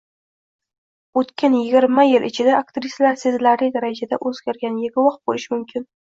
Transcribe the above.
O‘tganyigirmayil ichida aktrisalar sezilarli darajada o‘zgarganiga guvoh bo‘lishi mumkin